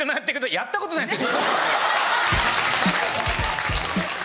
やったことないんですよ。